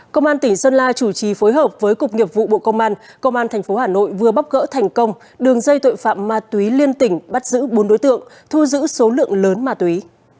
công an tỉnh sơn la chủ trì phối hợp với cục nghiệp vụ bộ công an công an tp hà nội vừa bóc gỡ thành công đường dây tội phạm ma túy liên tỉnh bắt giữ bốn đối tượng thu giữ số lượng lớn ma túy